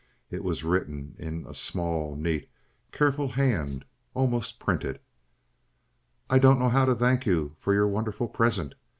It was written in a small, neat, careful hand, almost printed. I don't know how to thank you for your wonderful present.